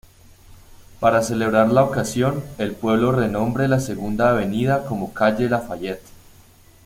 Para celebrar la ocasión, el pueblo renombre la Segunda Avenida como Calle Lafayette.